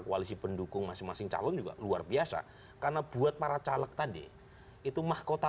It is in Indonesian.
koalisi pendukung masing masing calon juga luar biasa karena buat para caleg tadi itu mahkota